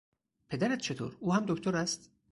پدرت چطور، او هم دکتر است؟